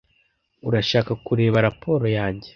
Urashaka kureba raporo yanjye?